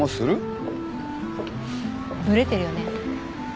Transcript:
ブレてるよね。